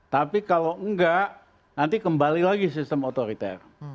tapi kalau enggak nanti kembali lagi sistem otoriter